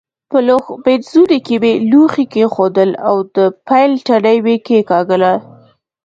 په لوښ مینځوني کې مې لوښي کېښودل او د پیل تڼۍ مې کېکاږله.